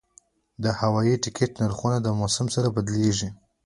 د هوایي ټکټ نرخونه د موسم سره بدلېږي.